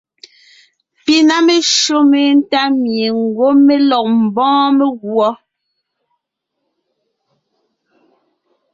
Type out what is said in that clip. Pi ná meshÿó méntá mie ngwɔ́ mé lɔg ḿbɔ́ɔn meguɔ.